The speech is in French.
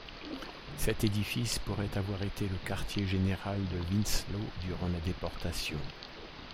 Cet édifice pourrait avoir été le quartier-général de Winslow, durant la déportation.